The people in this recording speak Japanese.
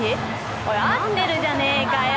おい、合ってるじゃねえかよ。